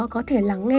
có thể lắng nghe